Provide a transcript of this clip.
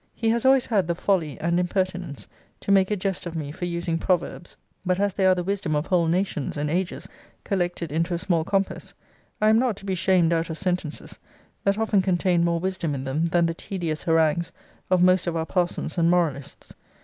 He has always had the folly and impertinence to make a jest of me for using proverbs: but as they are the wisdom of whole nations and ages collected into a small compass, I am not to be shamed out of sentences that often contain more wisdom in them than the tedious harangues of most of our parsons and moralists.